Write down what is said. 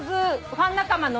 ファン仲間が。